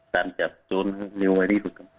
ตำรวจแบบ